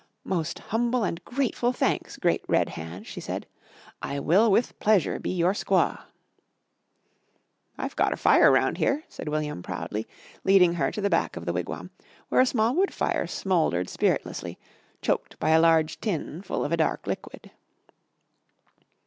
"Most humble and grateful thanks, great Red Hand," she said. "I will with pleasure be your squaw." "I've gotter fire round here," said William proudly, leading her to the back of the wigwam, where a small wood fire smouldered spiritlessly, choked by a large tin full of a dark liquid.